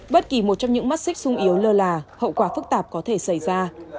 bất kỳ một trong những mắt xích sung yếu lơ là hậu quả phức tạp có thể xảy ra